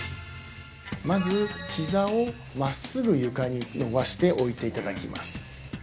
まずひざを真っすぐ床に伸ばして置いていただきます